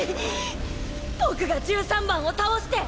僕が十三番を倒して